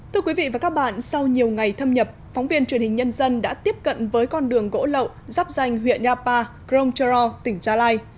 thưa quý vị và các bạn sau nhiều ngày thâm nhập phóng viên truyền hình nhân dân đã tiếp cận với con đường gỗ lậu giáp danh huyện yapa grongcharo tỉnh gia lai